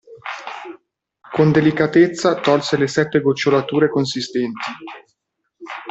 Con delicatezza tolse le sette gocciolature consistenti.